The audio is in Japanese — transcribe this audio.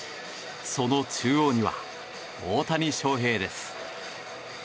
その中央には大谷翔平です。